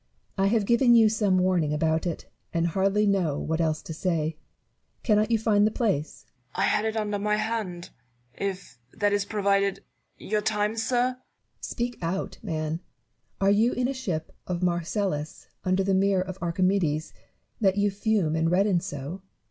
I have given you some warning about it, and hardly know what else to say. Cannot you find the place ? Newton. I had it under my hand. If — that is, provided — your time, sir ! SCIPIO, POLYBIUS AND PAN^TIUS. 209 Barrow. Speak it out, man ! Are you in a ship of Marcellus under the mirror of Archimedes, that you fume and redden so